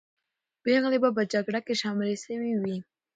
پېغلې به په جګړه کې شاملې سوې وي.